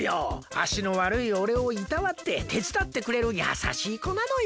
あしのわるいおれをいたわっててつだってくれるやさしいこなのよ。